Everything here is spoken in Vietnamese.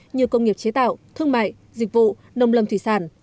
như công nghiệp chế tạo thương mại dịch vụ nông lâm thủy sản